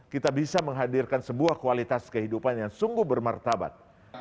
kita bisa menghadirkan sebuah kualitas kehidupan yang sungguh bermartabat